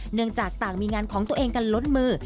เนื่องจากต่างมีงานของตัวเองกันล้นมือ